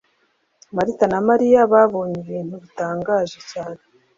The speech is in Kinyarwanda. Marita na Mariya babonye ibintu bitangaje cyane